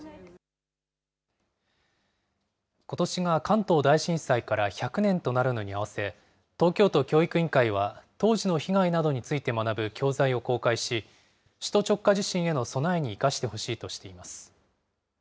ことしが関東大震災から１００年となるのにあわせ、東京都教育委員会は、当時の被害などについて学ぶ教材を公開し、首都直下地震への備えに生かしてほしいとしています。